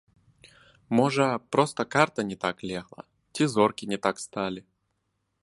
Можа, проста карта не так легла, ці зоркі не так сталі?